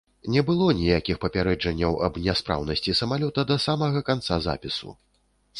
Не было ніякіх папярэджанняў аб няспраўнасці самалёта да самага канца запісу.